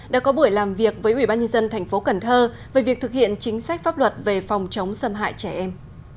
đã có buổi làm việc với ủy ban nhân dân thành phố cần thơ về việc thực hiện chính sách pháp luật về phòng chống xâm hại trẻ em